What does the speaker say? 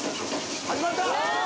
始まった！